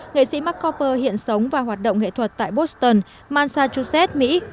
nghệ sĩ mark copper hiện sống và hoạt động nghệ thuật tại boston massachusetts mỹ